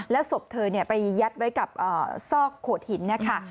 แล้วศพเธอไปยัดไว้กับซอกโขดหินนะคะ